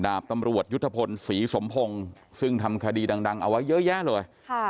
ดาบตำรวจยุทธพลศรีสมพงศ์ซึ่งทำคดีดังเอาไว้เยอะแยะเลย